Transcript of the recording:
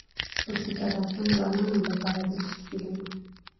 پکتیکا د افغان ځوانانو لپاره دلچسپي لري.